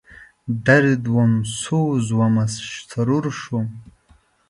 درد وم، سوز ومه، سرور شوم